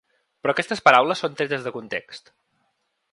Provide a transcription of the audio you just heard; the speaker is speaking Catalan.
Però aquestes paraules són tretes de context.